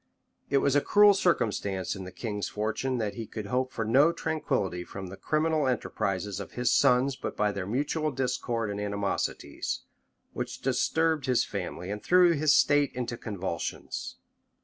It was a cruel circumstance in the king's fortune, that he could hope for no tranquillity from the criminal enterprises of his sons but by their mutual discord and animosities, which disturbed his family and threw his state into convulsions.